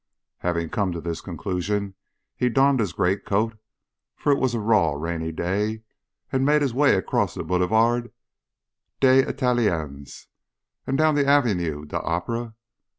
Having come to this conclusion, he donned his greatcoat, for it was a raw rainy day, and made his way across the Boulevard des Italiens and down the Avenue de l'Opera.